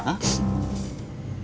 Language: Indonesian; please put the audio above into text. tidak usah sedikit